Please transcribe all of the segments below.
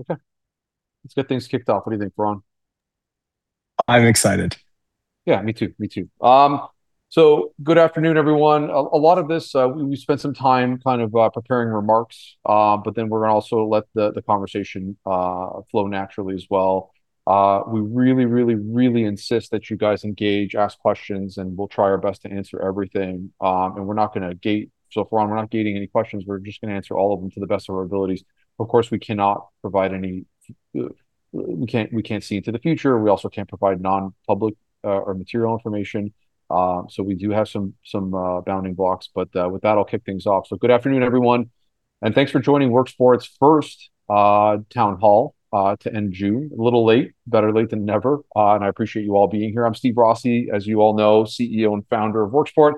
Okay. Let's get things kicked off. What do you think, Faran? I'm excited. Yeah. Me too. Good afternoon, everyone. A lot of this, we spent some time kind of preparing remarks, we're going to also let the conversation flow naturally as well. We really, really, really insist that you guys engage, ask questions, and we'll try our best to answer everything. Faran, we're not gating any questions. We're just going to answer all of them to the best of our abilities. Of course, we can't see into the future. We also can't provide non-public or material information. We do have some bounding blocks. With that, I'll kick things off. Good afternoon, everyone, and thanks for joining Worksport's first town hall to end June. A little late. Better late than never, and I appreciate you all being here. I'm Steve Rossi, as you all know, CEO and founder of Worksport.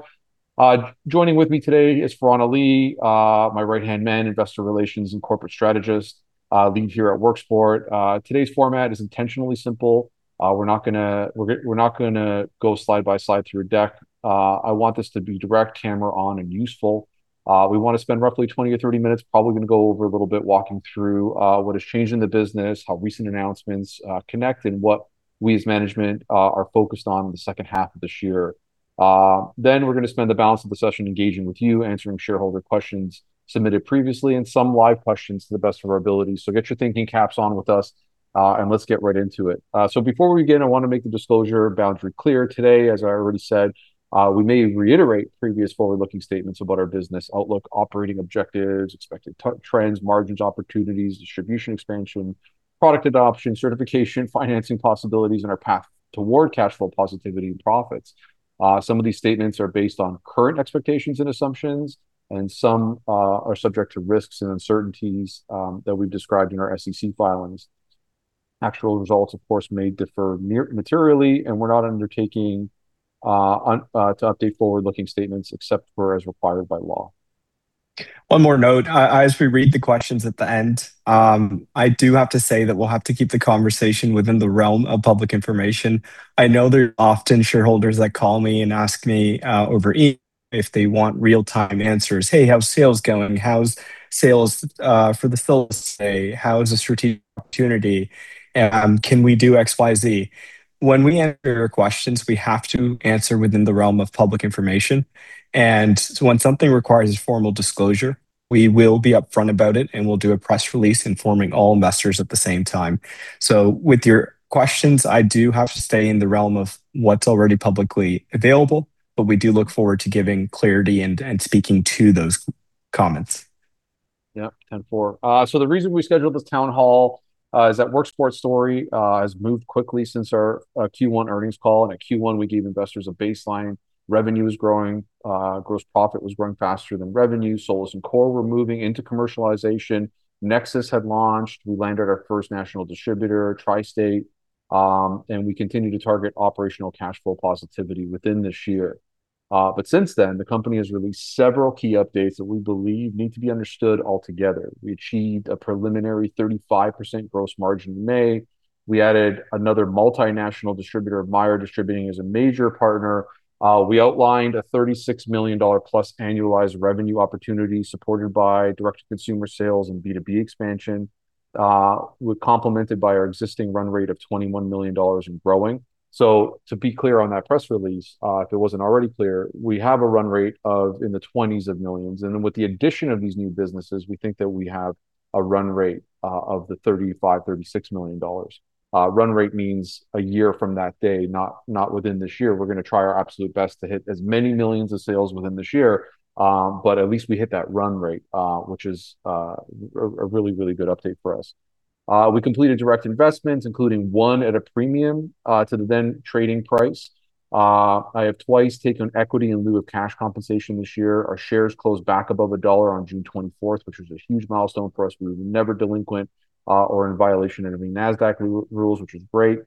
Joining with me today is Faran Ali, my right-hand man, investor relations and corporate strategist lead here at Worksport. Today's format is intentionally simple. We're not going to go slide by slide through a deck. I want this to be direct, camera on, and useful. We want to spend roughly 20 or 30 minutes, probably going to go over a little bit, walking through what has changed in the business, how recent announcements connect, and what we as management are focused on in the second half of this year. We're going to spend the balance of the session engaging with you, answering shareholder questions submitted previously and some live questions to the best of our ability. Get your thinking caps on with us, and let's get right into it. Before we begin, I want to make the disclosure boundary clear today. As I already said, we may reiterate previous forward-looking statements about our business outlook, operating objectives, expected trends, margins, opportunities, distribution expansion, product adoption, certification, financing possibilities, and our path toward cash flow positivity and profits. Some of these statements are based on current expectations and assumptions, and some are subject to risks and uncertainties that we've described in our SEC filings. Actual results, of course, may differ materially, and we're not undertaking to update forward-looking statements except for as required by law. One more note. As we read the questions at the end, I do have to say that we'll have to keep the conversation within the realm of public information. I know there's often shareholders that call me and ask me if they want real-time answers. "Hey, how's sales going? How's the strategic opportunity? Can we do XYZ?" When we answer your questions, we have to answer within the realm of public information. When something requires formal disclosure, we will be upfront about it, and we'll do a press release informing all investors at the same time. With your questions, I do have to stay in the realm of what's already publicly available, but we do look forward to giving clarity and speaking to those comments. Yeah.. The reason we scheduled this town hall, is that Worksport's story has moved quickly since our Q1 earnings call. In our Q1, we gave investors a baseline. Revenue was growing. Gross profit was growing faster than revenue. SOLIS and COR were moving into commercialization. NEXUS had launched. We landed our first national distributor, Tri-State. We continue to target operational cash flow positivity within this year. Since then, the company has released several key updates that we believe need to be understood altogether. We achieved a preliminary 35% gross margin in May. We added another multinational distributor, Meyer Distributing, as a major partner. We outlined a $36 million plus annualized revenue opportunity supported by direct-to-consumer sales and B2B expansion. We're complemented by our existing run rate of $21 million and growing. To be clear on that press release, if it wasn't already clear, we have a run rate of in the 20s of millions. With the addition of these new businesses, we think that we have a run rate of the $35 million, $36 million. Run rate means a year from that day, not within this year. We're going to try our absolute best to hit as many millions of sales within this year. At least we hit that run rate, which is a really, really good update for us. We completed direct investments, including one at a premium to the then-trading price. I have twice taken equity in lieu of cash compensation this year. Our shares closed back above $1 on June 24th, which was a huge milestone for us. We were never delinquent or in violation of any Nasdaq rules, which was great.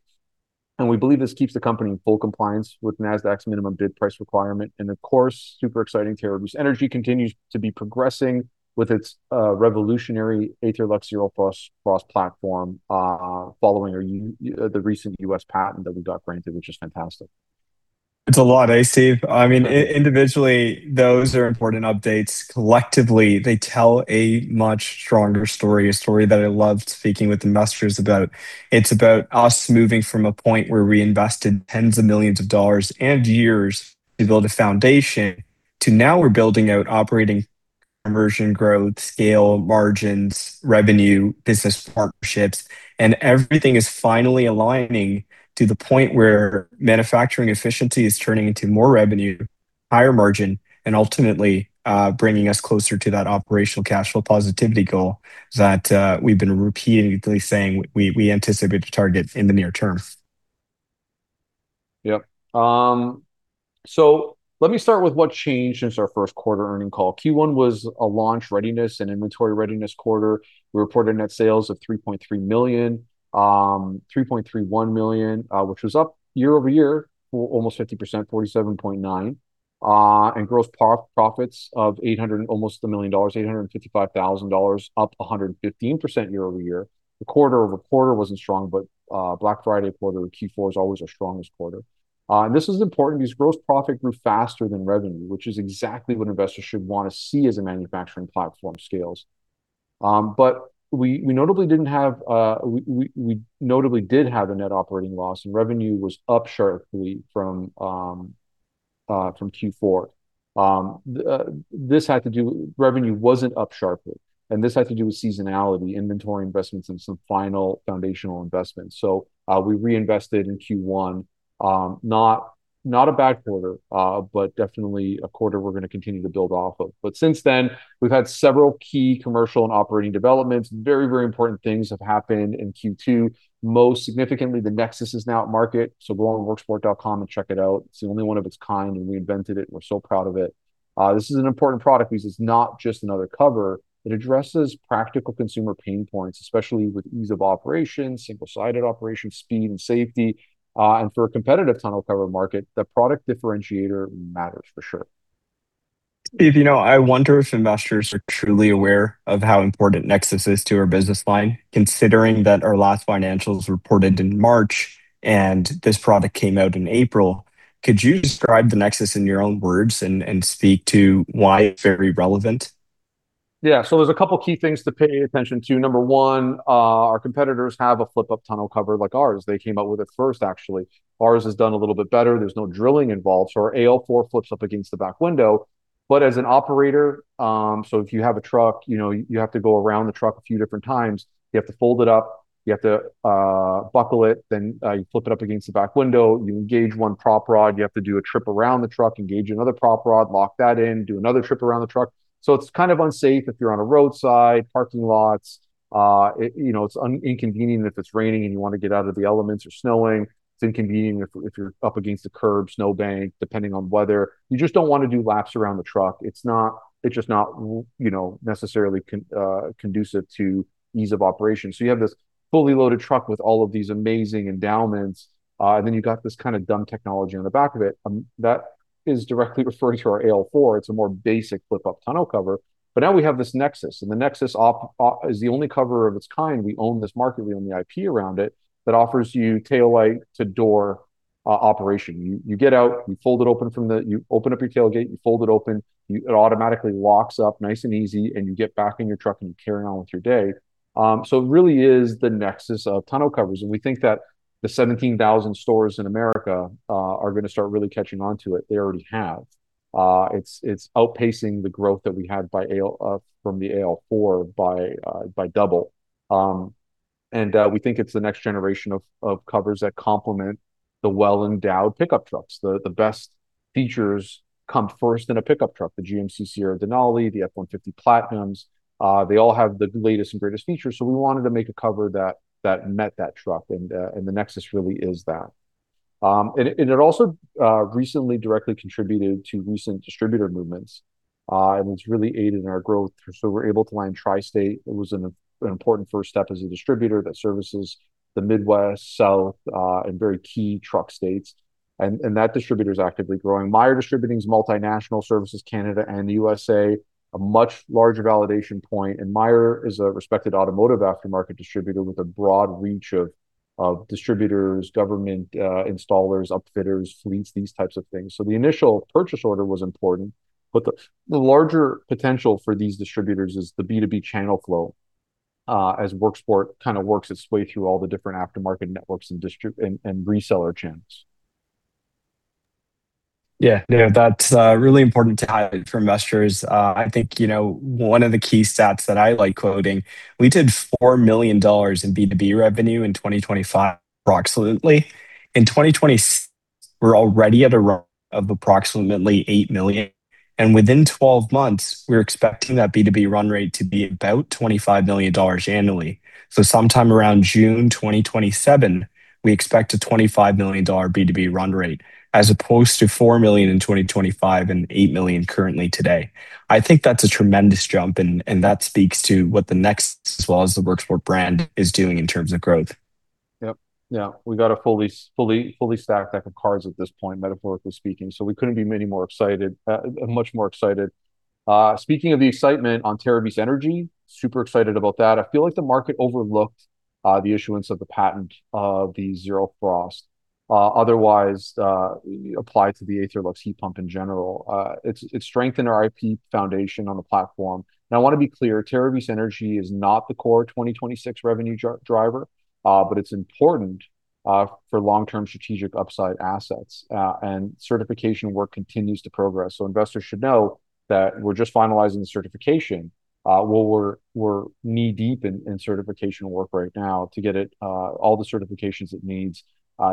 We believe this keeps the company in full compliance with Nasdaq's minimum bid price requirement. Of course, super exciting, Terravis Energy continues to be progressing with its revolutionary AetherLux ZeroFrost platform, following the recent U.S. patent that we got granted, which is fantastic. It's a lot, eh, Steve? I mean, individually, those are important updates. Collectively, they tell a much stronger story, a story that I loved speaking with investors about. It's about us moving from a point where we invested tens of millions of dollars and years to build a foundation to now we're building out operating conversion growth, scale, margins, revenue, business partnerships. Everything is finally aligning to the point where manufacturing efficiency is turning into more revenue, higher margin, and ultimately, bringing us closer to that operational cash flow positivity goal that we've been repeatedly saying we anticipate to target in the near term. Yeah. Let me start with what changed since our first quarter earnings call. Q1 was a launch readiness and inventory readiness quarter. We reported net sales of $3.3 million, $3.31 million, which was up year-over-year almost 50%, 47.9%, and gross profits of almost $1 million, $855,000, up 115% year-over-year. The quarter-over-quarter wasn't strong, Black Friday quarter, Q4, is always our strongest quarter. This is important because gross profit grew faster than revenue, which is exactly what investors should want to see as a manufacturing platform scales. We notably did have a net operating loss and revenue was up sharply from Q4. Revenue wasn't up sharply, and this had to do with seasonality, inventory investments, and some final foundational investments. We reinvested in Q1. Not a bad quarter, definitely a quarter we're going to continue to build off of. Since then, we've had several key commercial and operating developments. Very, very important things have happened in Q2. Most significantly, the NEXUS is now at market, so go on worksport.com and check it out. It's the only one of its kind, and we invented it, and we're so proud of it. This is an important product because it's not just another cover. It addresses practical consumer pain points, especially with ease of operation, single-sided operation, speed, and safety. For a competitive tonneau cover market, the product differentiator matters for sure. Steve, I wonder if investors are truly aware of how important NEXUS is to our business line, considering that our last financials reported in March and this product came out in April. Could you describe the NEXUS in your own words and speak to why it's very relevant? Yeah. There's a couple key things to pay attention to. Number one, our competitors have a flip-up tonneau cover like ours. They came out with it first, actually. Ours has done a little bit better. There's no drilling involved, so our AL4 flips up against the back window. As an operator, if you have a truck, you have to go around the truck a few different times. You have to fold it up, you have to buckle it, you flip it up against the back window. You engage one prop rod, you have to do a trip around the truck, engage another prop rod, lock that in, do another trip around the truck. It's kind of unsafe if you're on a roadside, parking lots. It's inconvenient if it's raining and you want to get out of the elements, or snowing. It's inconvenient if you're up against a curb, snowbank, depending on weather. You just don't want to do laps around the truck. It's just not necessarily conducive to ease of operation. You have this fully loaded truck with all of these amazing endowments, you've got this kind of dumb technology on the back of it. That is directly referring to our AL4. It's a more basic flip-up tonneau cover. Now we have this NEXUS, and the NEXUS is the only cover of its kind. We own this market, we own the IP around it, that offers you taillight-to-door operation. You get out, you open up your tailgate, you fold it open, it automatically locks up nice and easy, you get back in your truck, you carry on with your day. It really is the NEXUS of tonneau covers, we think that the 17,000 stores in America are going to start really catching on to it. They already have. It's outpacing the growth that we had from the AL4 by double. We think it's the next generation of covers that complement the well-endowed pickup trucks. The best features come first in a pickup truck. The GMC Sierra Denali, the F-150 Platinums, they all have the latest and greatest features. We wanted to make a cover that met that truck, the NEXUS really is that. It also recently directly contributed to recent distributor movements, it's really aided in our growth. We're able to land Tri-State. It was an important first step as a distributor that services the Midwest, South, and very key truck states. That distributor's actively growing. Meyer Distributing is multinational, services Canada and the U.S., a much larger validation point. Meyer is a respected automotive aftermarket distributor with a broad reach of distributors, government installers, upfitters, fleets, these types of things. The initial purchase order was important, the larger potential for these distributors is the B2B channel flow, as Worksport works its way through all the different aftermarket networks and reseller channels. That is really important to highlight for investors. One of the key stats that I like quoting, we did $4 million in B2B revenue in 2025, approximately. In 2026, we are already at a run of approximately $8 million, within 12 months, we are expecting that B2B run rate to be about $25 million annually. Sometime around June 2027, we expect a $25 million B2B run rate as opposed to $4 million in 2025 and $8 million currently today. That is a tremendous jump, that speaks to what the NEXUS, as well as the Worksport brand, is doing in terms of growth. We have got a fully stacked deck of cards at this point, metaphorically speaking. We could not be much more excited. Speaking of the excitement on Terravis Energy, super excited about that. I feel like the market overlooked the issuance of the patent of the ZeroFrost, otherwise applied to the AetherLux heat pump in general. It has strengthened our IP foundation on the platform. I want to be clear, Terravis Energy is not the core 2026 revenue driver, it is important for long-term strategic upside assets. Certification work continues to progress. Investors should know that we are just finalizing the certification. We are knee-deep in certification work right now to get all the certifications it needs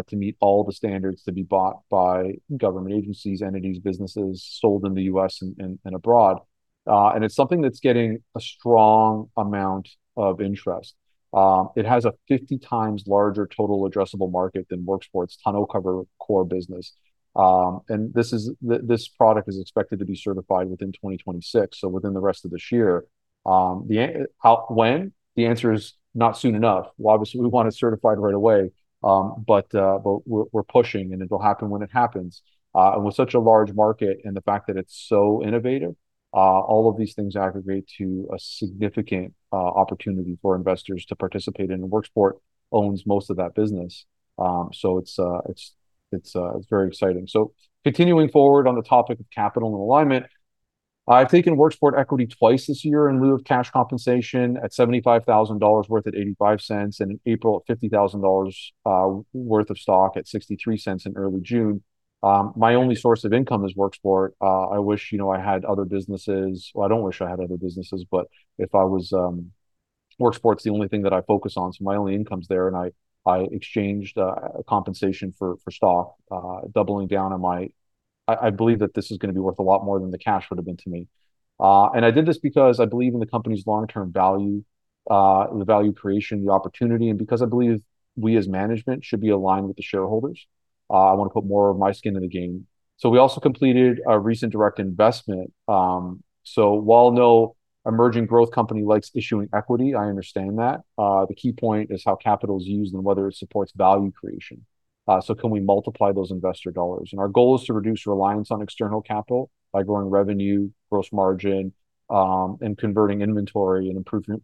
to meet all the standards to be bought by government agencies, entities, businesses, sold in the U.S. and abroad. It is something that is getting a strong amount of interest. It has a 50 times larger total addressable market than Worksport's tonneau cover core business. This product is expected to be certified within 2026, so within the rest of this year. When? The answer is not soon enough. Obviously, we want it certified right away. We are pushing, it will happen when it happens. With such a large market and the fact that it is so innovative, all of these things aggregate to a significant opportunity for investors to participate in, Worksport owns most of that business. It is very exciting. Continuing forward on the topic of capital and alignment, I have taken Worksport equity twice this year in lieu of cash compensation at $75,000 worth at $0.85, in April at $50,000 worth of stock at $0.63 in early June. My only source of income is Worksport. I wish I had other businesses. I don't wish I had other businesses, but Worksport's the only thing that I focus on, my only income's there, and I exchanged compensation for stock, doubling down. I believe that this is going to be worth a lot more than the cash would've been to me. I did this because I believe in the company's long-term value, the value creation, the opportunity, and because I believe we, as management, should be aligned with the shareholders. I want to put more of my skin in the game. We also completed a recent direct investment. While no emerging growth company likes issuing equity, I understand that. The key point is how capital is used and whether it supports value creation. Can we multiply those investor dollars? Our goal is to reduce reliance on external capital by growing revenue, gross margin, and converting inventory and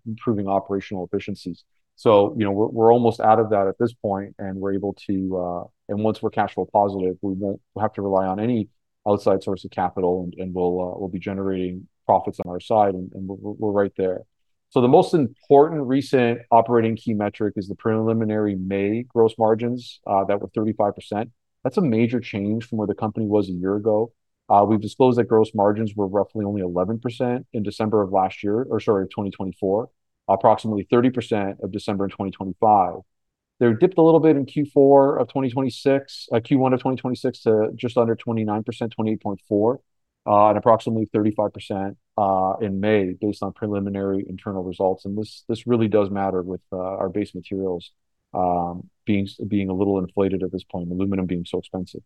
improving operational efficiencies. We're almost out of that at this point, and once we're cash flow positive, we won't have to rely on any outside source of capital, and we'll be generating profits on our side, and we're right there. The most important recent operating key metric is the preliminary May gross margins that were 35%. That's a major change from where the company was a year ago. We've disclosed that gross margins were roughly only 11% in December of last year, or, sorry, 2024, approximately 30% of December in 2025. They dipped a little bit in Q1 of 2026 to just under 29%, 28.4%, and approximately 35% in May based on preliminary internal results. This really does matter with our base materials being a little inflated at this point, aluminum being so expensive.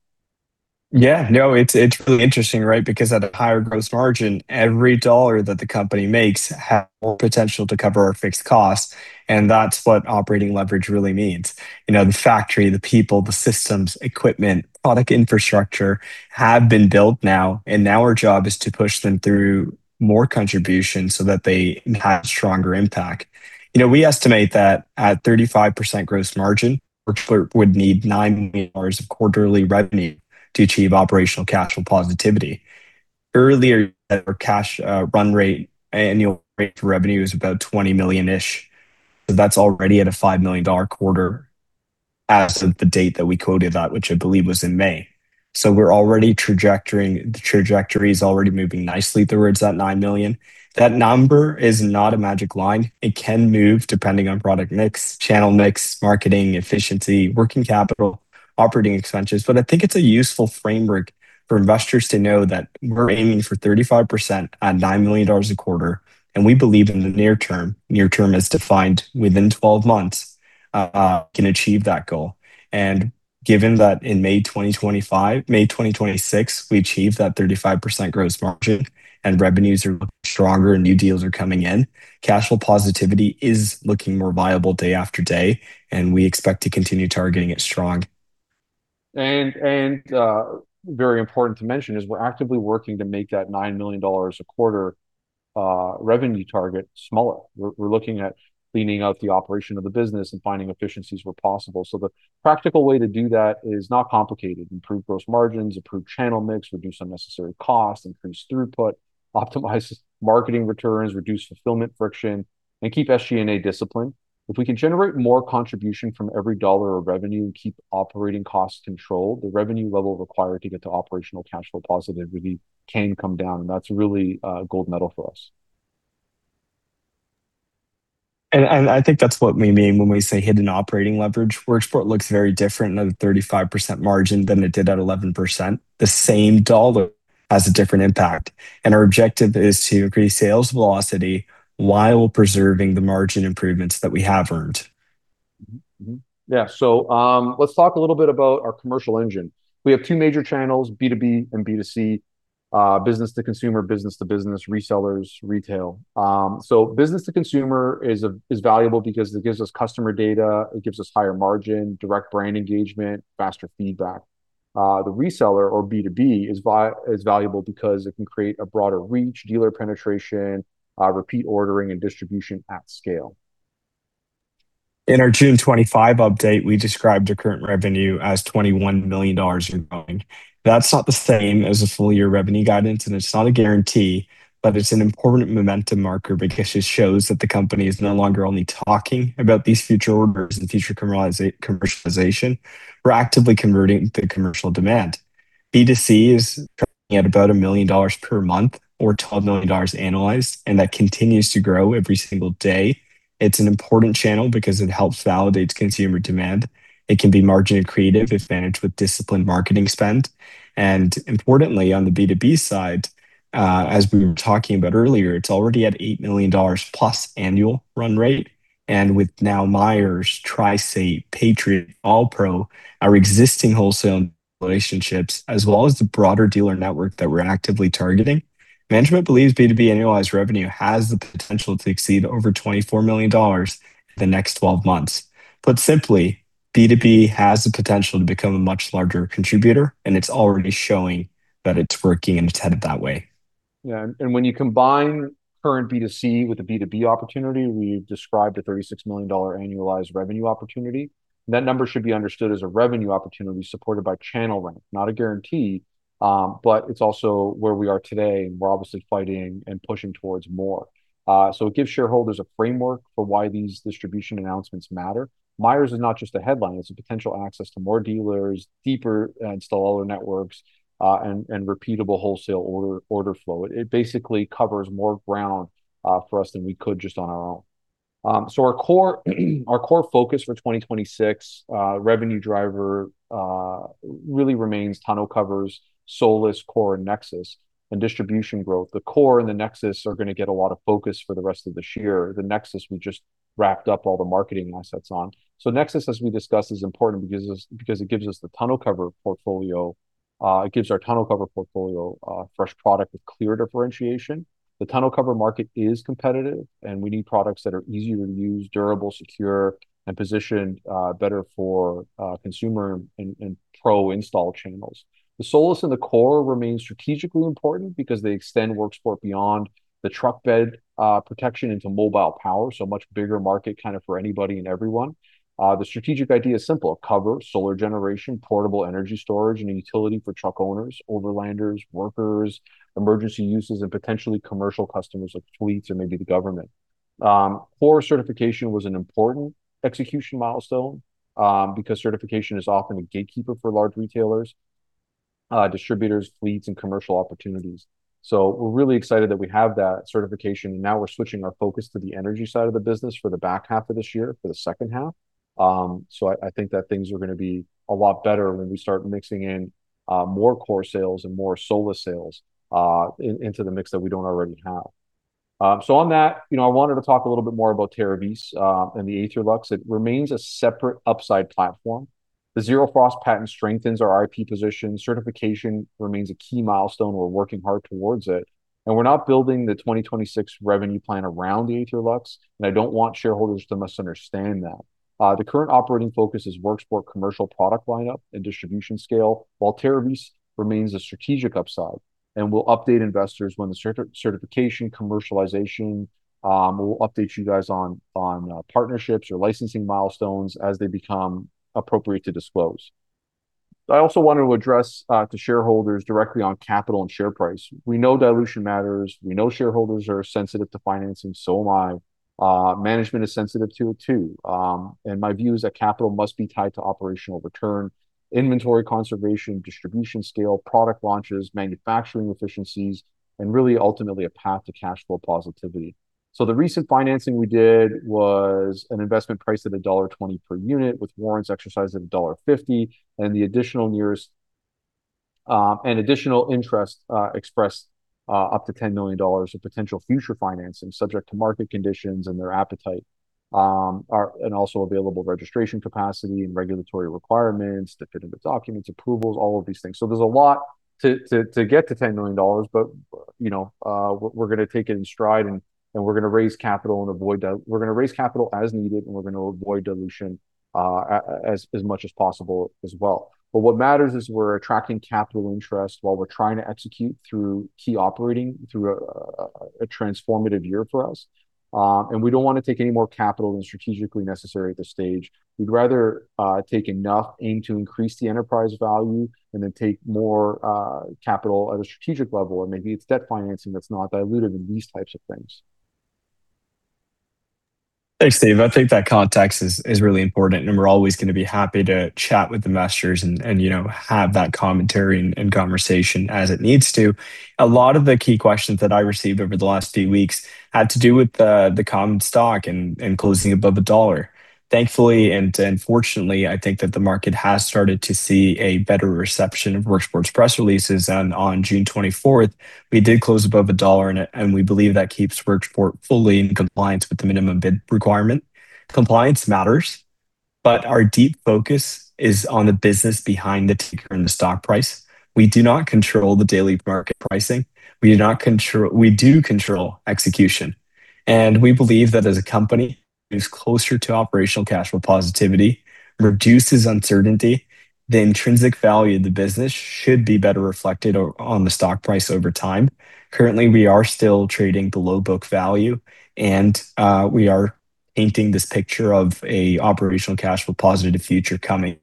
It's really interesting, right? Because at a higher gross margin, every dollar that the company makes has more potential to cover our fixed costs, and that's what operating leverage really means. The factory, the people, the systems, equipment, product infrastructure have been built now, and now our job is to push them through more contributions so that they have stronger impact. We estimate that at 35% gross margin, which would need $9 million of quarterly revenue to achieve operational cash flow positivity. Earlier, our cash run rate, annual rate revenue is about $20 million-ish. That's already at a $5 million quarter as of the date that we quoted that, which I believe was in May. The trajectory's already moving nicely towards that $9 million. That number is not a magic line. It can move depending on product mix, channel mix, marketing efficiency, working capital, operating expenses. I think it's a useful framework for investors to know that we're aiming for 35% at $9 million a quarter. We believe in the near term, near term as defined within 12 months, can achieve that goal. Given that in May 2026, we achieve that 35% gross margin and revenues are looking stronger and new deals are coming in, cash flow positivity is looking more viable day after day, and we expect to continue targeting it strong. Very important to mention is we're actively working to make that $9 million a quarter revenue target smaller. We're looking at cleaning out the operation of the business and finding efficiencies where possible. The practical way to do that is not complicated. Improve gross margins, improve channel mix, reduce unnecessary costs, increase throughput, optimize marketing returns, reduce fulfillment friction, and keep SG&A discipline. If we can generate more contribution from every dollar of revenue and keep operating costs controlled, the revenue level required to get to operational cash flow positivity can come down, and that's really a gold medal for us. I think that's what we mean when we say hidden operating leverage. Worksport looks very different at a 35% margin than it did at 11%. The same dollar has a different impact, and our objective is to increase sales velocity while preserving the margin improvements that we have earned. Yeah. Let's talk a little bit about our commercial engine. We have two major channels, B2B and B2C, business to consumer, business to business, resellers, retail. Business to consumer is valuable because it gives us customer data, it gives us higher margin, direct brand engagement, faster feedback. The reseller or B2B is valuable because it can create a broader reach, dealer penetration, repeat ordering, and distribution at scale. In our June 25 update, we described the current revenue as $21 million and growing. That's not the same as a full year revenue guidance, and it's not a guarantee, but it's an important momentum marker because it shows that the company is no longer only talking about these future orders and future commercialization. We're actively converting the commercial demand. B2C is currently at about $1 million per month or $12 million annualized, and that continues to grow every single day. It's an important channel because it helps validate consumer demand. It can be margin creative if managed with disciplined marketing spend. Importantly, on the B2B side, as we were talking about earlier, it's already at $8 million-plus annual run rate. With now Meyer, Tri-State, Patriot, AllPro, our existing wholesale relationships, as well as the broader dealer network that we're actively targeting, management believes B2B annualized revenue has the potential to exceed over $24 million the next 12 months. Put simply, B2B has the potential to become a much larger contributor, and it's already showing that it's working and it's headed that way. Yeah. When you combine current B2C with the B2B opportunity, we've described a $36 million annualized revenue opportunity. That number should be understood as a revenue opportunity supported by channel rent, not a guarantee. It's also where we are today, and we're obviously fighting and pushing towards more. It gives shareholders a framework for why these distribution announcements matter. Meyer is not just a headline, it's a potential access to more dealers, deeper install networks, and repeatable wholesale order flow. It basically covers more ground for us than we could just on our own. Our core focus for 2026 revenue driver really remains tonneau covers, SOLIS COR, and NEXUS and distribution growth. The COR and the NEXUS are going to get a lot of focus for the rest of this year. The NEXUS, we just wrapped up all the marketing assets on. NEXUS, as we discussed, is important because it gives us the tonneau cover portfolio. It gives our tonneau cover portfolio fresh product with clear differentiation. The tonneau cover market is competitive, and we need products that are easy to use, durable, secure and positioned better for consumer and pro-install channels. The SOLIS and the COR remain strategically important because they extend Worksport beyond the truck bed protection into mobile power, so a much bigger market for anybody and everyone. The strategic idea is simple: cover, solar generation, portable energy storage, and utility for truck owners, overlanders, workers, emergency users and potentially commercial customers like fleets or maybe the government. COR certification was an important execution milestone, because certification is often a gatekeeper for large retailers, distributors, fleets, and commercial opportunities. We're really excited that we have that certification. Now we're switching our focus to the energy side of the business for the back half of this year, for the second half. I think that things are going to be a lot better when we start mixing in more COR sales and more SOLIS sales into the mix that we don't already have. On that, I wanted to talk a little bit more about Terravis and the AetherLux. It remains a separate upside platform. The ZeroFrost patent strengthens our IP position. Certification remains a key milestone. We're working hard towards it, and we're not building the 2026 revenue plan around the AetherLux, and I don't want shareholders to misunderstand that. The current operating focus is Worksport commercial product lineup and distribution scale, while Terravis remains a strategic upside. We'll update investors when the certification commercialization. We'll update you guys on partnerships or licensing milestones as they become appropriate to disclose. I also wanted to address the shareholders directly on capital and share price. We know dilution matters. We know shareholders are sensitive to financing, so am I. Management is sensitive to it too. My view is that capital must be tied to operational return, inventory conservation, distribution scale, product launches, manufacturing efficiencies, and really ultimately a path to cash flow positivity. The recent financing we did was an investment price of $1.20 per unit with warrants exercised at $1.50, and the additional interest expressed up to $10 million of potential future financing subject to market conditions and their appetite, and also available registration capacity and regulatory requirements to fit into documents, approvals, all of these things. There's a lot to get to $10 million, we're going to take it in stride and we're going to raise capital as needed, and we're going to avoid dilution as much as possible as well. What matters is we're attracting capital interest while we're trying to execute through key operating, through a transformative year for us. We don't want to take any more capital than strategically necessary at this stage. We'd rather take enough in to increase the enterprise value and then take more capital at a strategic level, or maybe it's debt financing that's not dilutive in these types of things. Thanks, Steve. I think that context is really important, and we're always going to be happy to chat with investors and have that commentary and conversation as it needs to. A lot of the key questions that I received over the last few weeks had to do with the common stock and closing above $1. Thankfully, and fortunately, I think that the market has started to see a better reception of Worksport's press releases. On June 24th, we did close above $1, and we believe that keeps Worksport fully in compliance with the minimum bid requirement. Compliance matters, our deep focus is on the business behind the ticker and the stock price. We do not control the daily market pricing. We do control execution, and we believe that as a company moves closer to operational cash flow positivity reduces uncertainty, the intrinsic value of the business should be better reflected on the stock price over time. Currently, we are still trading below book value, and we are painting this picture of a operational cash flow positive future coming,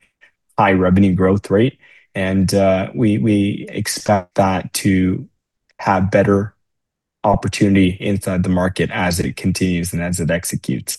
high revenue growth rate. We expect that to have better opportunity inside the market as it continues and as it executes.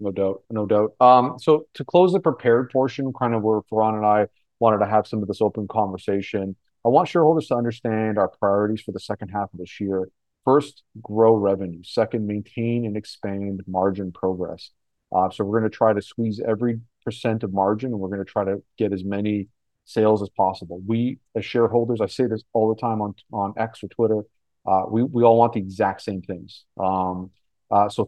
No doubt. To close the prepared portion, where Faran and I wanted to have some of this open conversation. I want shareholders to understand our priorities for the second half of this year. First, grow revenue. Second, maintain and expand margin progress. We're going to try to squeeze every percent of margin, and we're going to try to get as many sales as possible. We, as shareholders, I say this all the time on X or Twitter, we all want the exact same things.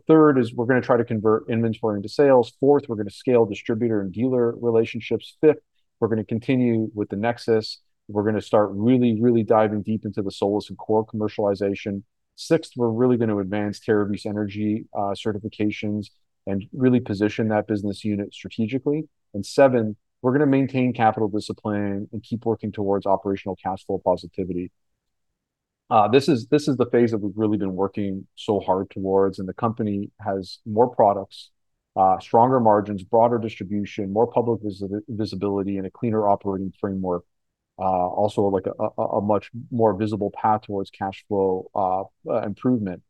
Third is we're going to try to convert inventory into sales. Fourth, we're going to scale distributor and dealer relationships. Fifth, we're going to continue with the NEXUS. We're going to start really diving deep into the SOLIS and COR commercialization. Sixth, we're really going to advance Terravis Energy certifications and really position that business unit strategically. Seven, we're going to maintain capital discipline and keep working towards operational cash flow positivity. This is the phase that we've really been working so hard towards, and the company has more products, stronger margins, broader distribution, more public visibility, and a cleaner operating framework. Also, a much more visible path towards cash flow improvement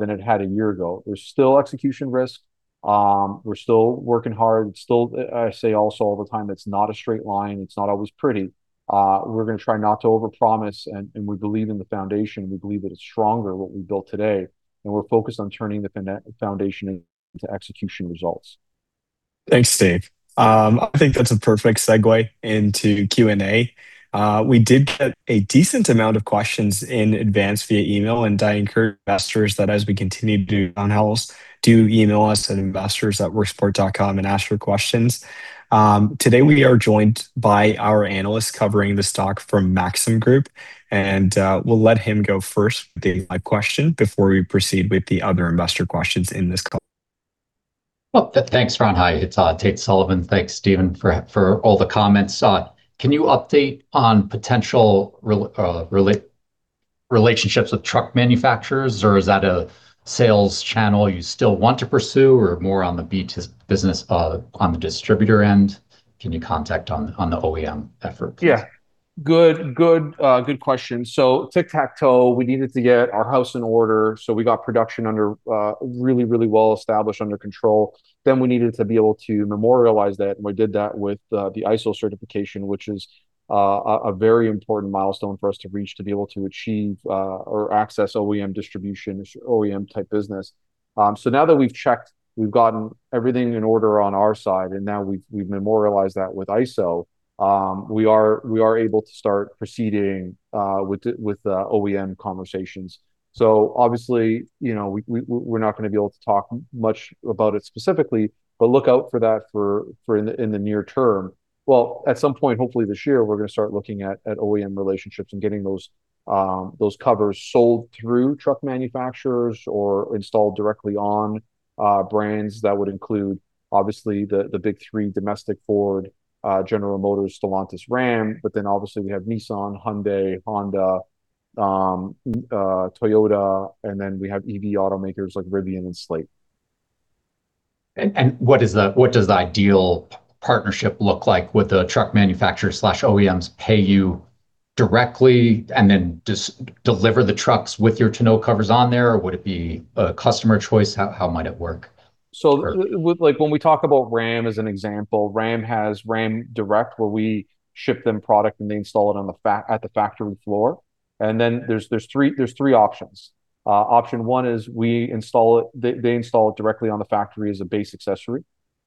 than it had a year ago. There's still execution risk. We're still working hard. I say also all the time, it's not a straight line. It's not always pretty. We're going to try not to overpromise, and we believe in the foundation. We believe that it's stronger, what we built today, and we're focused on turning the foundation into execution results. Thanks, Steve. I think that's a perfect segue into Q&A. We did get a decent amount of questions in advance via email, and I encourage investors that as we continue to do town halls, do email us at investors@worksport.com and ask your questions. Today, we are joined by our analyst covering the stock from Maxim Group, and we'll let him go first with a live question before we proceed with the other investor questions in this call. Well, thanks, Ali. Hi, it's Tate Sullivan. Thanks, Steve, for all the comments. Can you update on potential relationships with truck manufacturers, or is that a sales channel you still want to pursue, or more on the business on the distributor end? Can you comment on the OEM effort, please? Yeah. Good question. Tic-tac-toe, we needed to get our house in order. We got production really well established, under control. We needed to be able to memorialize that, and we did that with the ISO certification, which is a very important milestone for us to reach to be able to achieve or access OEM distribution, OEM-type business. Now that we've checked, we've gotten everything in order on our side, and now we've memorialized that with ISO. We are able to start proceeding with the OEM conversations. Obviously, we're not going to be able to talk much about it specifically, but look out for that in the near term. Well, at some point, hopefully, this year, we're going to start looking at OEM relationships and getting those covers sold through truck manufacturers or installed directly on brands. That would include, obviously, the big three domestic, Ford, General Motors, Stellantis, Ram. Obviously we have Nissan, Hyundai, Honda, Toyota, and then we have EV automakers like Rivian and Slate. What does the ideal partnership look like with the truck manufacturer/OEMs pay you directly and then just deliver the trucks with your tonneau covers on there, or would it be a customer choice? How might it work? When we talk about Ram as an example, Ram has Ram Direct, where we ship them product, and they install it at the factory floor. There's three options. Option one is they install it directly on the factory as a base accessory. Then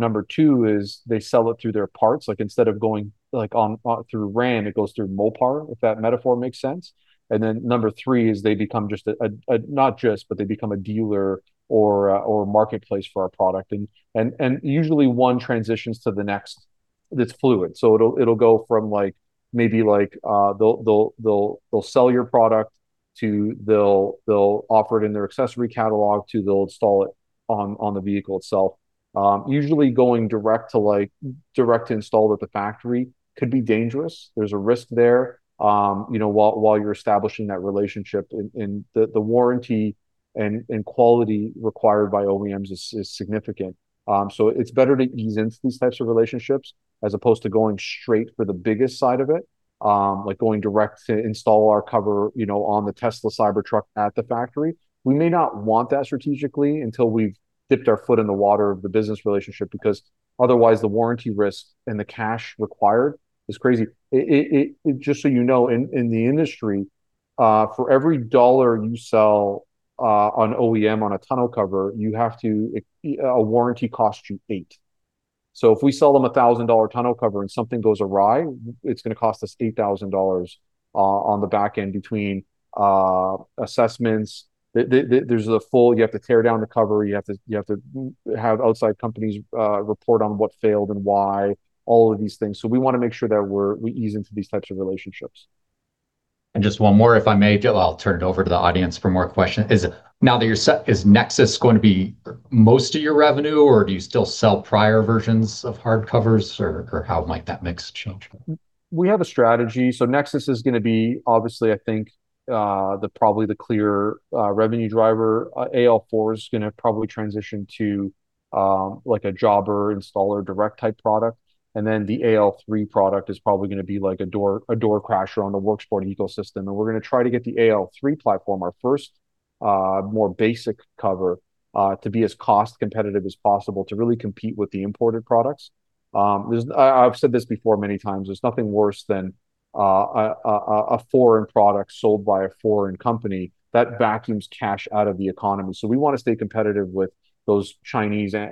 Number two is they sell it through their parts. Instead of going through Ram, it goes through Mopar, if that metaphor makes sense. Then Number three is they become a dealer or a marketplace for our product. Usually, one transitions to the next. It's fluid. It'll go from maybe they'll sell your product, to they'll offer it in their accessory catalog, to they'll install it on the vehicle itself. Usually going direct to install at the factory could be dangerous. There's a risk there. While you're establishing that relationship, and the warranty and quality required by OEMs is significant. It's better to ease into these types of relationships as opposed to going straight for the biggest side of it, like going direct to install our cover on the Tesla Cybertruck at the factory. We may not want that strategically until we've dipped our foot in the water of the business relationship, because otherwise the warranty risk and the cash required is crazy. Just you know, in the industry, for every dollar you sell an OEM on a tonneau cover, a warranty costs you eight. If we sell them a $1,000 tonneau cover and something goes awry, it's going to cost us $8,000 on the back end between assessments. You have to tear down the cover. You have to have outside companies report on what failed and why, all of these things. We want to make sure that we ease into these types of relationships. Just one more, if I may. I'll turn it over to the audience for more questions. Is NEXUS going to be most of your revenue, or do you still sell prior versions of hard covers, or how might that mix change? We have a strategy. NEXUS is going to be, obviously, I think, probably the clear revenue driver. AL4 is going to probably transition to a jobber, installer, direct-type product. The AL3 product is probably going to be a door crasher on the Worksport ecosystem. We're going to try to get the AL3 platform, our first more basic cover, to be as cost-competitive as possible to really compete with the imported products. I've said this before many times. There's nothing worse than a foreign product sold by a foreign company that vacuums cash out of the economy. We want to stay competitive with those, for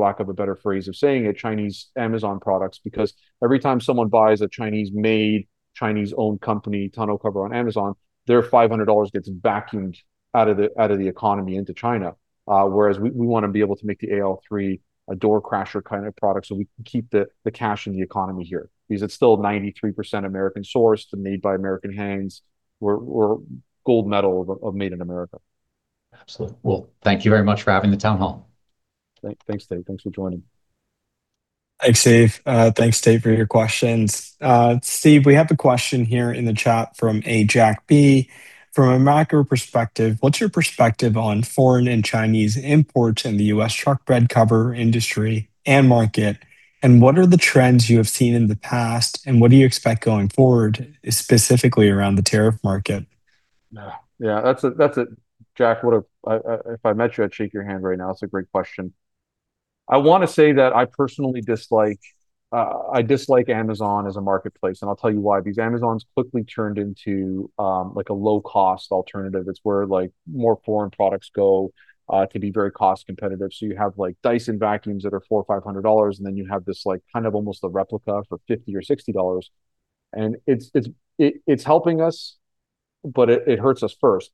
lack of a better phrase of saying it, Chinese Amazon products. Because every time someone buys a Chinese-made, Chinese-owned company tonneau cover on Amazon, their $500 gets vacuumed out of the economy into China. We want to be able to make the AL3 a door crasher kind of product so we can keep the cash in the economy here. Because it's still 93% American-sourced and made by American hands. We're gold medal of Made in America. Absolutely. Well, thank you very much for having the town hall. Thanks, Tate. Thanks for joining. Thanks, Steve. Thanks, Tate, for your questions. Steve, we have a question here in the chat from a Jack B. From a macro perspective, what's your perspective on foreign and Chinese imports in the U.S. truck bed cover industry and market? What are the trends you have seen in the past, and what do you expect going forward, specifically around the tariff market? Yeah. Jack, if I met you, I'd shake your hand right now. It's a great question. I want to say that I personally dislike Amazon as a marketplace. I'll tell you why. Amazon's quickly turned into a low-cost alternative. It's where more foreign products go to be very cost-competitive. You have Dyson vacuums that are $400 or $500, and then you have this almost a replica for $50 or $60. It's helping us, but it hurts us first.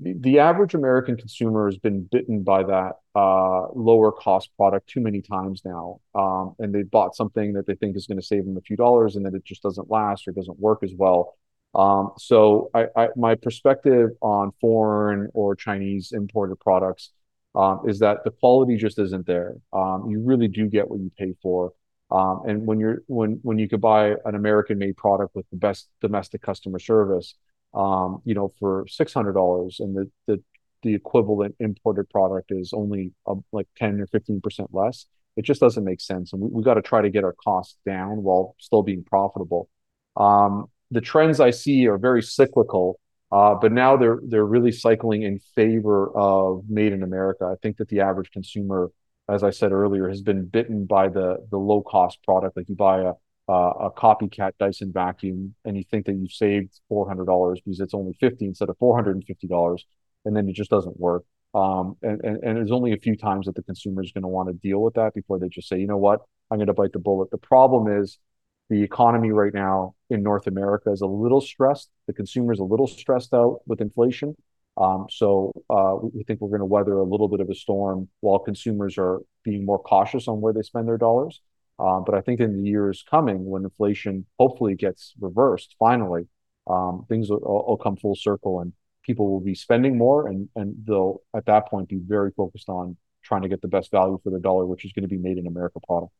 The average American consumer has been bitten by that lower-cost product too many times now. They've bought something that they think is going to save them a few dollars, and then it just doesn't last or doesn't work as well. My perspective on foreign or Chinese imported products is that the quality just isn't there. You really do get what you pay for. When you could buy an American-made product with the best domestic customer service for $600 and the equivalent imported product is only 10% or 15% less, it just doesn't make sense. We've got to try to get our costs down while still being profitable. The trends I see are very cyclical, but now they're really cycling in favor of Made in America. I think that the average consumer, as I said earlier, has been bitten by the low-cost product. You buy a copycat Dyson vacuum, and you think that you've saved $400 because it's only $50 instead of $450, and then it just doesn't work. There's only a few times that the consumer's going to want to deal with that before they just say, "You know what? I'm going to bite the bullet." The problem is, the economy right now in North America is a little stressed. The consumer is a little stressed out with inflation. We think we're going to weather a little bit of a storm while consumers are being more cautious on where they spend their dollars. I think in the years coming, when inflation hopefully gets reversed, finally, things will come full circle, and people will be spending more, and they'll, at that point, be very focused on trying to get the best value for their dollar, which is going to be a Made in America product.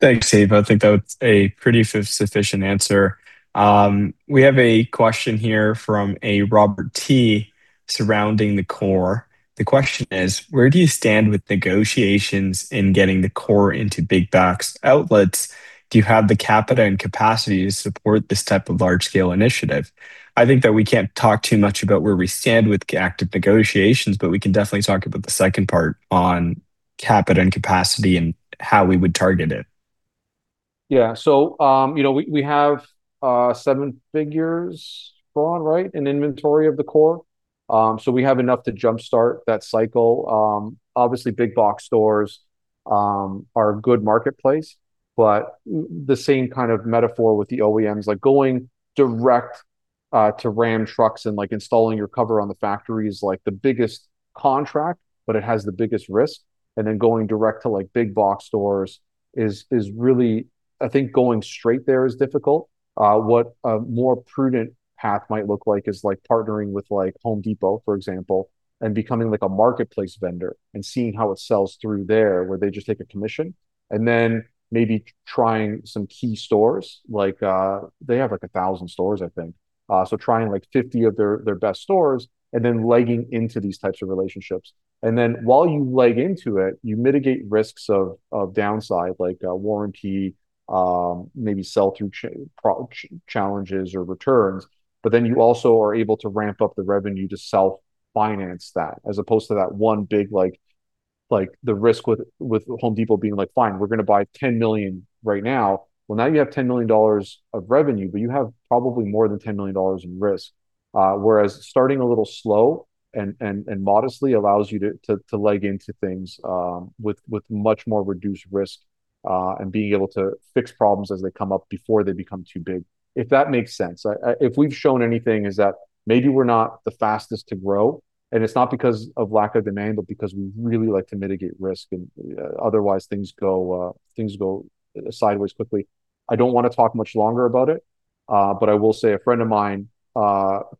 Thanks, Steve. I think that was a pretty sufficient answer. We have a question here from a Robert T. surrounding the COR. The question is, where do you stand with negotiations in getting the COR into big box outlets? Do you have the capital and capacity to support this type of large-scale initiative? I think that we can't talk too much about where we stand with active negotiations, but we can definitely talk about the second part on capital and capacity and how we would target it. Yeah. We have seven figures gone, right, in inventory of the COR. We have enough to jumpstart that cycle. Obviously, big box stores are a good marketplace, but the same kind of metaphor with the OEMs, going direct to Ram trucks and installing your cover on the factory is the biggest contract, but it has the biggest risk. Going direct to big box stores is I think going straight there is difficult. What a more prudent path might look like is partnering with Home Depot, for example, and becoming a marketplace vendor and seeing how it sells through there, where they just take a commission. Maybe trying some key stores. They have, like, 1,000 stores, I think. Trying, like, 50 of their best stores and then legging into these types of relationships. While you leg into it, you mitigate risks of downside, like a warranty, maybe sell-through challenges or returns. You also are able to ramp up the revenue to self-finance that, as opposed to that the risk with Home Depot being like, "Fine, we're going to buy $10 million right now." Now you have $10 million of revenue, but you have probably more than $10 million in risk. Starting a little slow and modestly allows you to leg into things with much more reduced risk, and being able to fix problems as they come up before they become too big. If that makes sense. If we've shown anything, it's that maybe we're not the fastest to grow, and it's not because of lack of demand, but because we really like to mitigate risk and otherwise things go sideways quickly. I don't want to talk much longer about it. I will say a friend of mine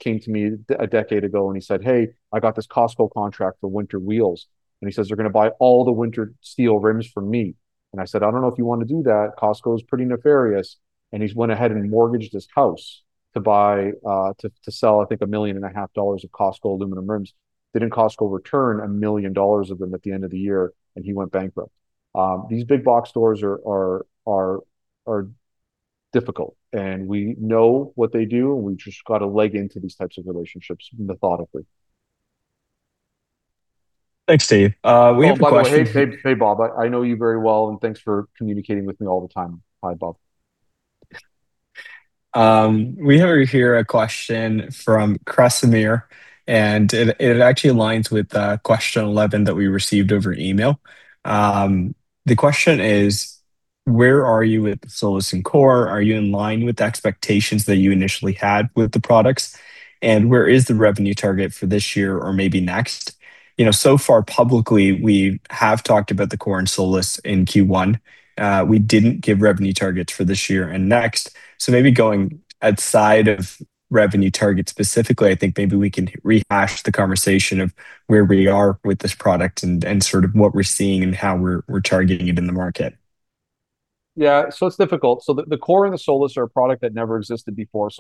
came to me a decade ago, he said, "Hey, I got this Costco contract for winter wheels." He says, "They're going to buy all the winter steel rims from me." I said, "I don't know if you want to do that. Costco is pretty nefarious." He's went ahead and mortgaged his house to sell, I think, a million and a half dollars of Costco aluminum rims. Did Costco return $1 million of them at the end of the year, and he went bankrupt. These big box stores are difficult, we know what they do, we've just got to leg into these types of relationships methodically. Thanks, Steve. We have a question- By the way. Hey, Bob. I know you very well, and thanks for communicating with me all the time. Hi, Bob. We have here a question from Krasimir, and it actually aligns with question 11 that we received over email. The question is, where are you with SOLIS and COR? Are you in line with the expectations that you initially had with the products? Where is the revenue target for this year or maybe next? Far publicly, we have talked about the COR and SOLIS in Q1. We didn't give revenue targets for this year and next. Maybe going outside of revenue targets specifically, I think maybe we can rehash the conversation of where we are with this product and sort of what we're seeing and how we're targeting it in the market. It's difficult. The COR and the SOLIS are a product that never existed before.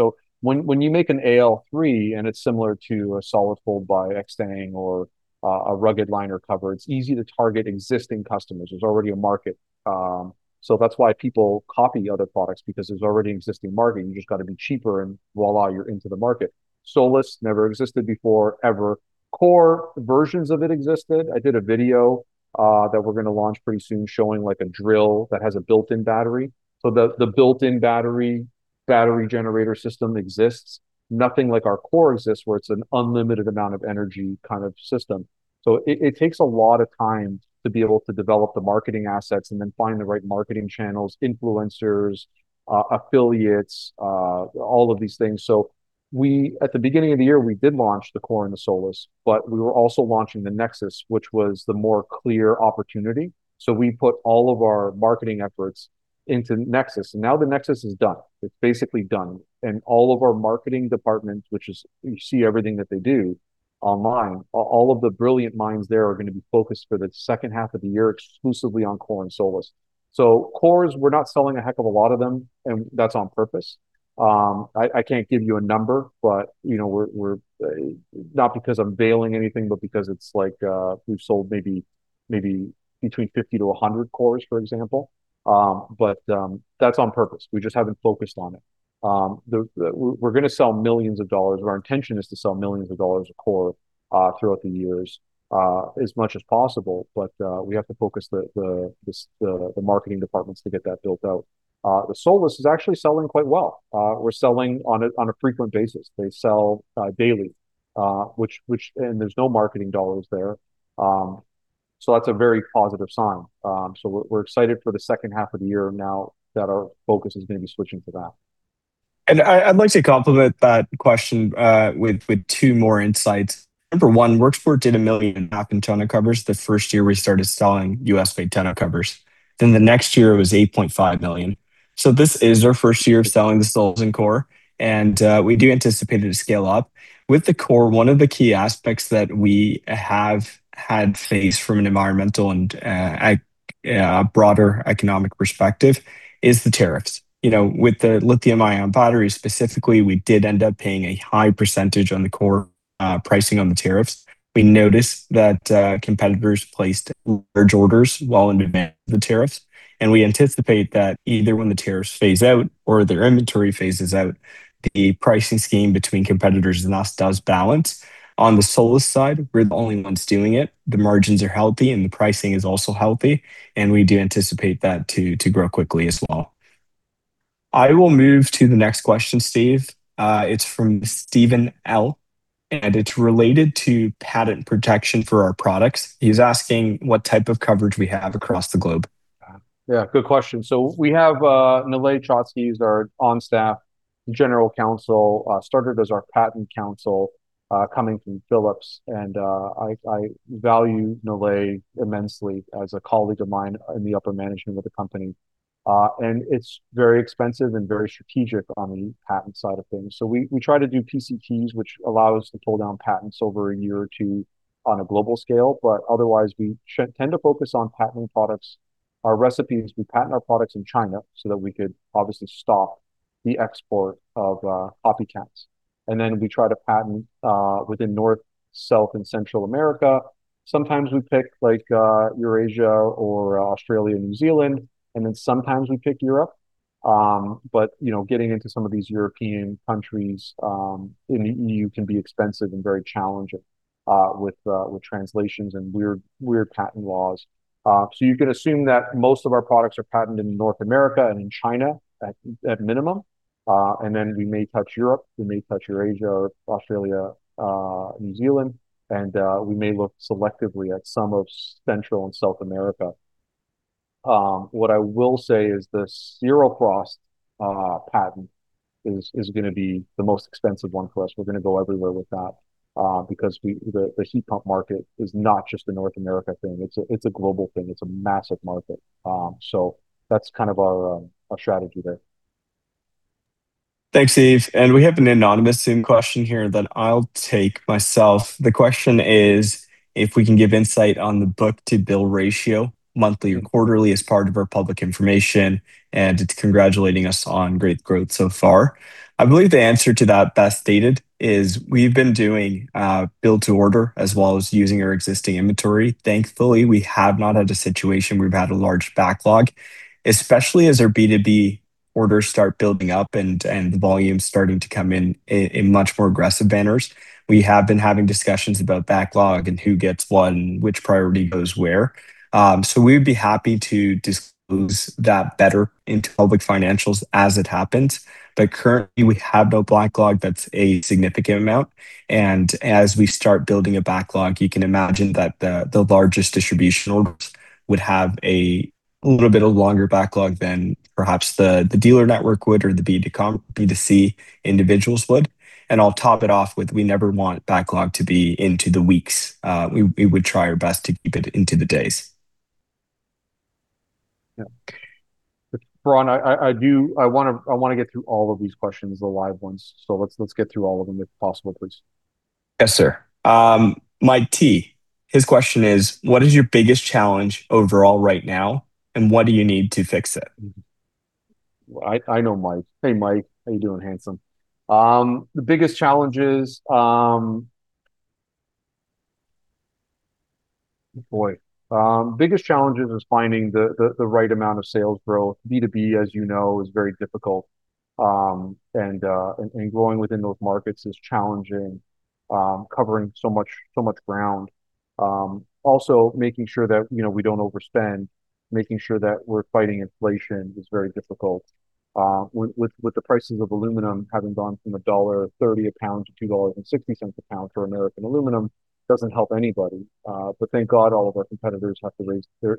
When you make an AL3, and it's similar to a Solid Fold by Extang or a Rugged Liner cover, it's easy to target existing customers. There's already a market. That's why people copy other products, because there's already an existing market, and you just got to be cheaper, and voila, you're into the market. SOLIS never existed before, ever. COR versions of it existed. I did a video that we're going to launch pretty soon showing a drill that has a built-in battery. The built-in battery generator system exists. Nothing like our COR exists, where it's an unlimited amount of energy kind of system. It takes a lot of time to be able to develop the marketing assets and then find the right marketing channels, influencers, affiliates, all of these things. At the beginning of the year, we did launch the COR and the SOLIS, but we were also launching the NEXUS, which was the more clear opportunity. We put all of our marketing efforts into NEXUS, and now the NEXUS is done. It's basically done. All of our marketing department, which is, you see everything that they do online, all of the brilliant minds there are going to be focused for the second half of the year exclusively on COR and SOLIS. CORs, we're not selling a heck of a lot of them, and that's on purpose. I can't give you a number, not because I'm veiling anything, but because we've sold maybe between 50 to 100 CORs, for example. That's on purpose. We just haven't focused on it. We're going to sell millions of dollars, or our intention is to sell millions of dollars of COR, throughout the years, as much as possible. We have to focus the marketing departments to get that built out. The SOLIS is actually selling quite well. We're selling on a frequent basis. They sell daily, and there's no marketing dollars there. That's a very positive sign. We're excited for the second half of the year now that our focus is going to be switching to that. I'd like to complement that question with two more insights. Number one, Worksport did 1 million tonneau covers the first year we started selling U.S.-made tonneau covers. The next year, it was $8.5 million. This is our first year of selling the SOLIS and COR, and we do anticipate it to scale up. With the COR, one of the key aspects that we have had faced from an environmental and a broader economic perspective is the tariffs. With the lithium-ion batteries specifically, we did end up paying a high percentage on the COR pricing on the tariffs. We noticed that competitors placed large orders well in advance of the tariffs, and we anticipate that either when the tariffs phase out or their inventory phases out, the pricing scheme between competitors and us does balance. On the SOLIS side, we're the only ones doing it. The margins are healthy, the pricing is also healthy, and we do anticipate that to grow quickly as well. I will move to the next question, Steve. It's from Steven L, and it's related to patent protection for our products. He's asking what type of coverage we have across the globe. Yeah. Good question. We have Nilay Choksi, he's our on-staff general counsel, started as our patent counsel, coming from Philips, and I value Nilay immensely as a colleague of mine in the upper management of the company. It's very expensive and very strategic on the patent side of things. We try to do PCTs, which allow us to pull down patents over a year or two on a global scale. Otherwise, we tend to focus on patenting products, our recipes. We patent our products in China so that we could obviously stop the export of copycats. Then we try to patent within North, South, and Central America. Sometimes we pick Eurasia or Australia, New Zealand, and then sometimes we pick Europe. Getting into some of these European countries, in E.U. can be expensive and very challenging, with translations and weird patent laws. You can assume that most of our products are patented in North America and in China, at minimum. We may touch Europe, we may touch Eurasia or Australia, New Zealand, and we may look selectively at some of Central and South America. What I will say is the ZeroFrost patent is going to be the most expensive one for us. We're going to go everywhere with that, because the heat pump market is not just a North America thing. It's a global thing. It's a massive market. That's our strategy there. Thanks, Steve. We have an anonymous Zoom question here that I'll take myself. The question is if we can give insight on the book-to-bill ratio monthly or quarterly as part of our public information, and it's congratulating us on great growth so far. I believe the answer to that best stated is we've been doing build to order as well as using our existing inventory. Thankfully, we have not had a situation where we've had a large backlog, especially as our B2B orders start building up and the volume's starting to come in in much more aggressive manners. We have been having discussions about backlog and who gets what and which priority goes where. We would be happy to disclose that better in public financials as it happens. Currently, we have no backlog that's a significant amount. As we start building a backlog, you can imagine that the largest distribution orders would have a little bit of longer backlog than perhaps the dealer network would or the B2C individuals would. I'll top it off with we never want backlog to be into the weeks. We would try our best to keep it into the days. Yeah. Faran, I want to get through all of these questions, the live ones. Let's get through all of them if possible, please. Yes, sir. Mike T, his question is: what is your biggest challenge overall right now, and what do you need to fix it? I know Mike. Hey, Mike. How you doing, handsome? The biggest challenges. Boy. Biggest challenges is finding the right amount of sales growth. B2B, as you know, is very difficult, and growing within those markets is challenging, covering so much ground. Also making sure that we don't overspend, making sure that we're fighting inflation is very difficult. With the prices of aluminum having gone from $1.30 a pound to $2.60 a pound for American aluminum doesn't help anybody. Thank God all of our competitors, they're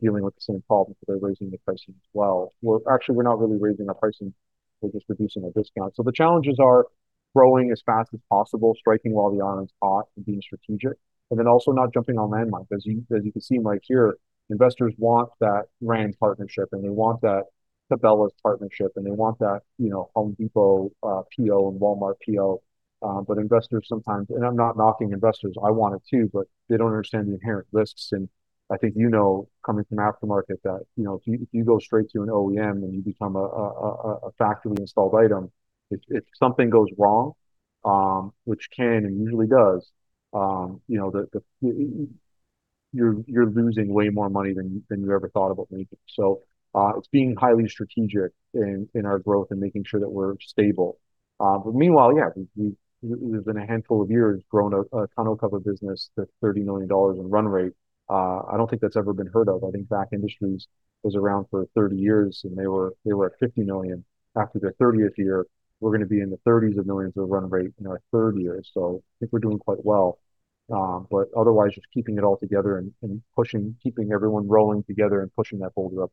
dealing with the same problem, so they're raising their pricing as well. Actually, we're not really raising our pricing. We're just reducing our discount. The challenges are growing as fast as possible, striking while the iron's hot and being strategic, and then also not jumping on landmines. As you can see, Mike, here, investors want that brand partnership and they want that Cabela's partnership, and they want that Home Depot PO and Walmart PO. Investors sometimes. I'm not knocking investors, I want it too, but they don't understand the inherent risks. I think you know, coming from aftermarket, that if you go straight to an OEM and you become a factory-installed item, if something goes wrong, which can and usually does, you're losing way more money than you ever thought about making. It's being highly strategic in our growth and making sure that we're stable. Meanwhile, yeah, we've in a handful of years grown a tonneau cover business that's $30 million in run rate. I don't think that's ever been heard of. I think BAK Industries was around for 30 years, and they were at $50 million. After their 30th year, we're going to be in the 30s of millions of run rate in our third year. I think we're doing quite well. Otherwise, just keeping it all together and keeping everyone rolling together and pushing that boulder up.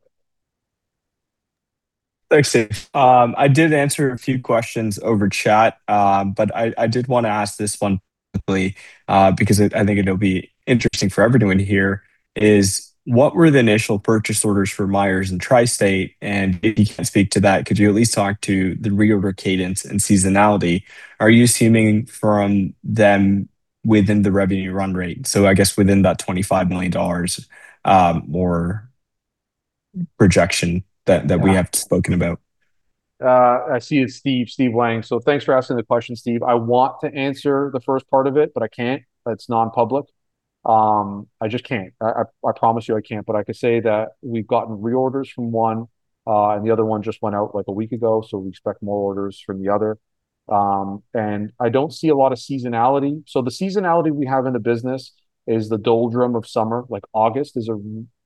Thanks, Steve. I did answer a few questions over chat, but I did want to ask this one quickly, because I think it'll be interesting for everyone to hear, is what were the initial purchase orders for Meyer and Tri-State? If you can't speak to that, could you at least talk to the reorder cadence and seasonality? Are you assuming from them within the revenue run rate? I guess within that $25 million, or projection that we have spoken about. I see it's Steve. Steve Wang. Thanks for asking the question, Steve. I want to answer the first part of it, but I can't. It's non-public. I just can't. I promise you I can't. I could say that we've gotten reorders from one, and the other one just went out like a week ago, so we expect more orders from the other. I don't see a lot of seasonality. The seasonality we have in the business is the doldrum of summer. Like August is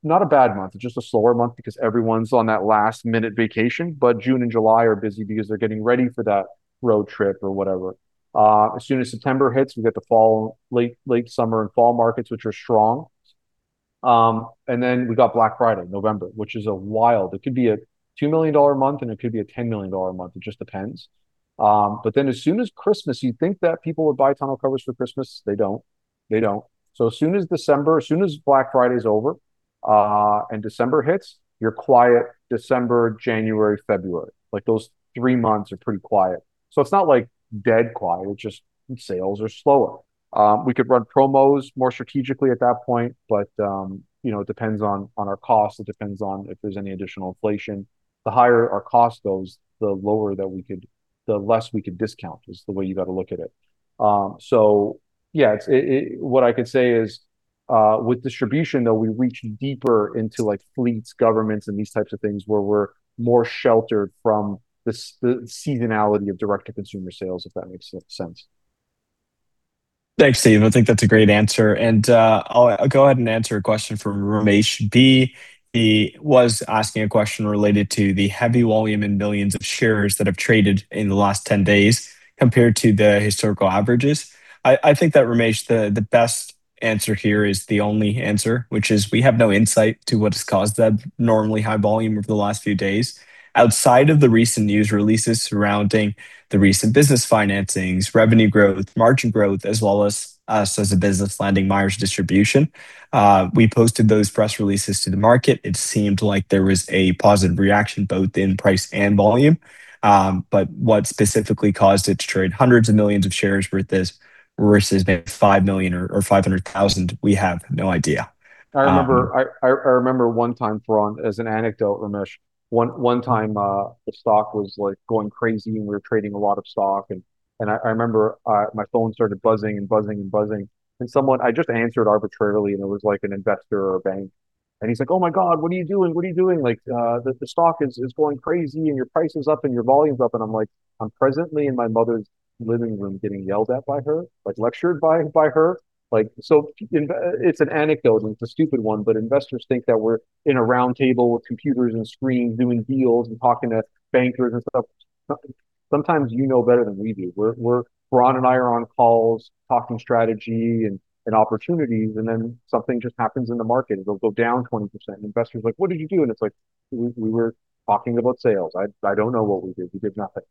not a bad month, it's just a slower month because everyone's on that last-minute vacation. June and July are busy because they're getting ready for that road trip or whatever. As soon as September hits, we get the late summer and fall markets, which are strong. Then we got Black Friday, November, which is wild. It could be a $2 million month, and it could be a $10 million month. It just depends. As soon as Christmas, you'd think that people would buy tonneau covers for Christmas. They don't. As soon as December, as soon as Black Friday's over, and December hits, you're quiet December, January, February. Those three months are pretty quiet. It's not like dead quiet, it's just sales are slower. We could run promos more strategically at that point, but it depends on our cost. It depends on if there's any additional inflation. The higher our cost goes, the less we could discount is the way you got to look at it. Yeah. What I could say is, with distribution, though, we reach deeper into fleets, governments, and these types of things where we're more sheltered from the seasonality of direct-to-consumer sales, if that makes sense. Thanks, Steve. I think that's a great answer. I'll go ahead and answer a question from Ramesh B. He was asking a question related to the heavy volume in millions of shares that have traded in the last 10 days compared to the historical averages. I think that, Ramesh, the best answer here is the only answer, which is we have no insight to what has caused that normally high volume over the last few days. Outside of the recent news releases surrounding the recent business financings, revenue growth, margin growth, as well as us as a business landing Meyer distribution. We posted those press releases to the market. It seemed like there was a positive reaction both in price and volume. What specifically caused it to trade hundreds of millions of shares versus maybe 5 million or 500,000, we have no idea. I remember one time, Faran, as an anecdote, Ramesh. One time, the stock was going crazy, and we were trading a lot of stock, and I remember my phone started buzzing and buzzing and buzzing. I just answered arbitrarily, and it was like an investor or a bank, and he's like, "Oh my God, what are you doing? What are you doing? The stock is going crazy, and your price is up, and your volume's up." I'm like, "I'm presently in my mother's living room, getting yelled at by her, lectured by her." It's an anecdote, and it's a stupid one, but investors think that we're in a roundtable with computers and screens, doing deals and talking to bankers and stuff. Sometimes you know better than we do. Faran and I are on calls talking strategy and opportunities, then something just happens in the market. It'll go down 20%, and investors like, "What did you do?" It's like, "We were talking about sales. I don't know what we did. We did nothing."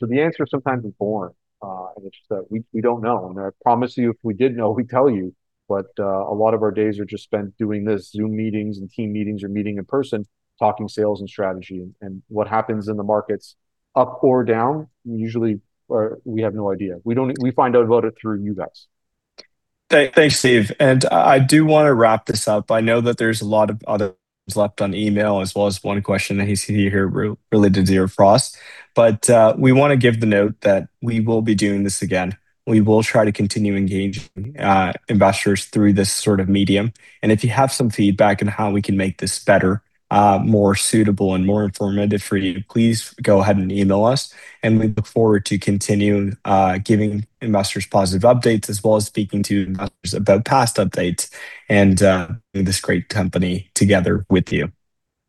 The answer is sometimes boring, and it's just that we don't know. I promise you, if we did know, we'd tell you. A lot of our days are just spent doing this, Zoom meetings and team meetings or meeting in person, talking sales and strategy and what happens in the markets up or down. Usually, we have no idea. We find out about it through you guys. Thanks, Steve. I do want to wrap this up. I know that there's a lot of others left on email, as well as one question that you see here related to ZeroFrost. We want to give the note that we will be doing this again. We will try to continue engaging investors through this sort of medium. If you have some feedback on how we can make this better, more suitable, and more informative for you, please go ahead and email us, we look forward to continuing giving investors positive updates as well as speaking to investors about past updates and building this great company together with you.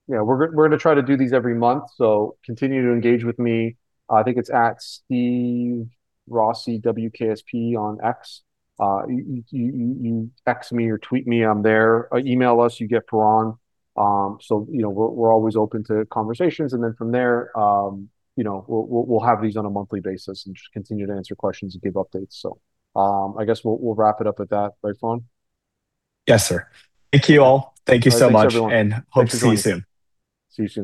Yeah, we're going to try to do these every month, so continue to engage with me. I think it's @SteveRossiWKSP on X. You X me or tweet me. I'm there. Email us, you get Faran. We're always open to conversations. Then from there, we'll have these on a monthly basis and just continue to answer questions and give updates. I guess we'll wrap it up at that. Right, Faran? Yes, sir. Thank you all. Thank you so much. All right. Thanks, everyone. Hope to see you soon. Thanks for coming. See you soon.